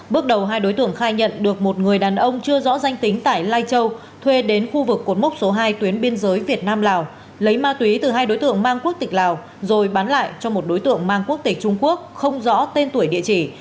bước đầu hai đối tượng khai nhận được một người đàn ông chưa rõ danh tính tại lai châu thuê đến khu vực cột mốc số hai tuyến biên giới việt nam lào lấy ma túy từ hai đối tượng mang quốc tịch lào rồi bán lại cho một đối tượng mang quốc tịch trung quốc không rõ tên tuổi địa chỉ